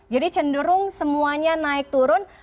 jadi cenderung semuanya naik turun